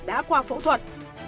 đã qua phẫu thuật